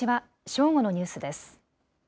正午のニュースです。